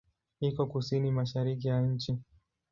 Iko kusini-mashariki ya nchi.